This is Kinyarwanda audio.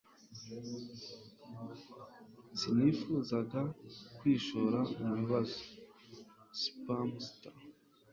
Sinifuzaga kwishora mu bibazo. (Spamster)